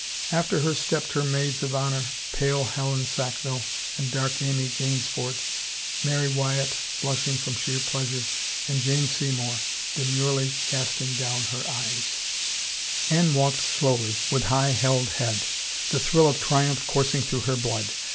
After her stepped her maids of honor, pale Helen Sackville and dark Amy Gaynesford, Mary Wyatt, blushing from sheer pleasure, and Jane Seymour, demurely casting down her eyes. 251 THE FAVOR OF KINGS Anne walked slowly with high held head, the thrill of triumph coursing through her blood.